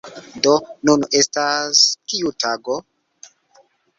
Do, nun estas... kiu tago?